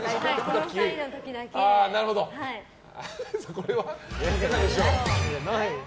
これはいかがでしょう。